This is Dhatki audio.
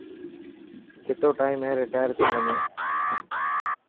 ڪتو ٽائم هي رٽائر ٿيڻ ۾.